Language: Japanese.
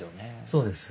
そうです。